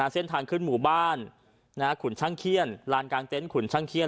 เส้นทางขึ้นหมู่บ้านขุนช่างเขี้ยนลานกลางเต็นต์ขุนช่างเขี้ย